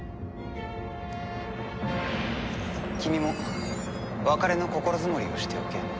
君も別れの心積もりをしておけ。